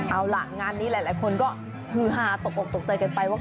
เอาล่ะงานนี้หลายคนก็ฮือฮาตกออกตกใจกันไปว่า